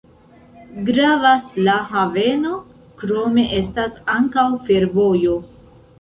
Gravas la haveno, krome estas ankaŭ fervojo.